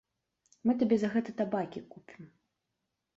Мы табе за гэта табакі купім.